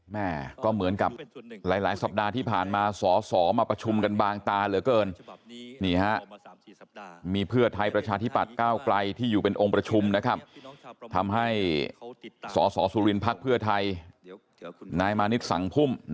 มันชัดเจนการเมืองเนี่ยมันอย่างเงี้ยนะครับมันอยู่เบื้องหลัง